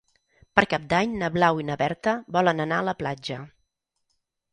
Per Cap d'Any na Blau i na Berta volen anar a la platja.